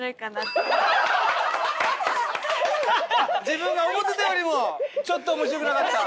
自分が思ってたよりもちょっと面白くなかった？